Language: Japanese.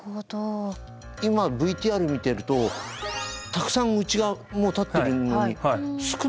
今ＶＴＲ見てるとたくさんうちがもう建ってるのに少ないですよね。